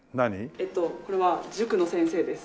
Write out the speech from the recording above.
えっとこれは塾の先生です。